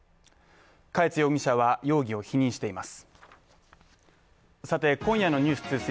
嘉悦容疑者は容疑を否認しています。